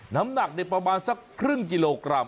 น้ำหนักประมาณสักครึ่งกิโลกรัม